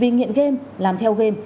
vì nghiện game làm theo game